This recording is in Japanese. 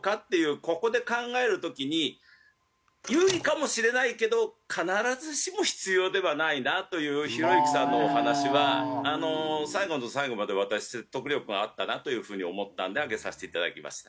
ここで考える時に有利かもしれないけど必ずしも必要ではないなというひろゆきさんのお話は最後の最後まで私説得力があったなという風に思ったんで上げさせていただきました。